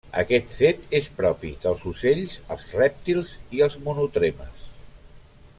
Aquest fet és propi dels ocells, els rèptils i els monotremes.